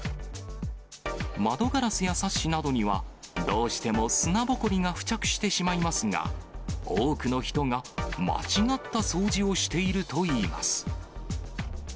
窓ガラスやサッシなどには、どうしても砂ぼこりが付着してしまいますが、多くの人が、間違った掃除をしているといいます。